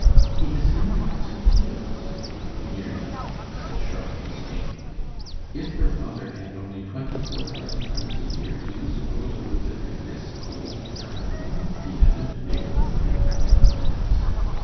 "He has vineyards and fields." "Mere nothing," said Charles disdainfully. "If your father had only twenty four thousand francs a year do you suppose you would live in this cold, barren room?" he added, making a step in advance.